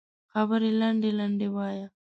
خبرې لنډې لنډې وایه